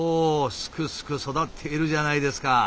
すくすく育っているじゃないですか！